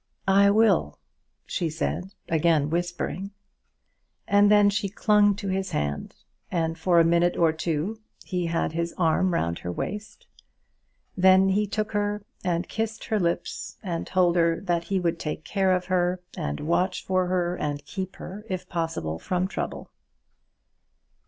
"I will," she said, again whispering; and then she clung to his hand, and for a minute or two he had his arm round her waist. Then he took her, and kissed her lips, and told her that he would take care of her, and watch for her, and keep her, if possible, from trouble.